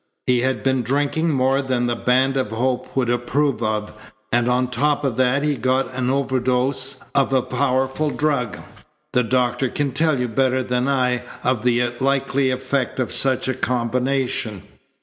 He had been drinking more than the Band of Hope would approve of, and on top of that he got an overdose of a powerful drug. The doctor can tell you better than I of the likely effect of such a combination."